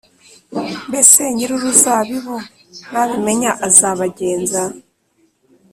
Mbese nyir uruzabibu nabimenya azabagenza